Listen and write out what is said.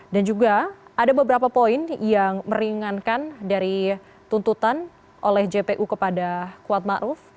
dan juga ada beberapa poin yang meringankan dari tuntutan oleh jpu kepada kuat ma'ruf